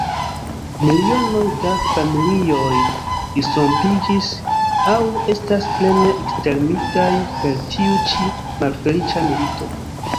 Milionoj da familioj disrompiĝis aŭ estas plene ekstermitaj per tiu ĉi malfeliĉa milito.